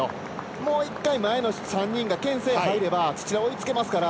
もう一回前の３人がけん制に入れば追いつけますから。